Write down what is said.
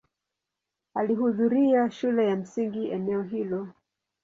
Alihudhuria shule ya msingi eneo hilo.